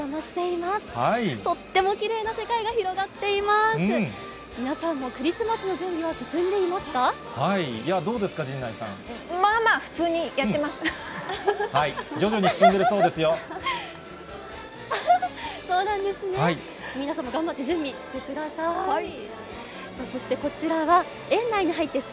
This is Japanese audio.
まあまあ、普通にやってます。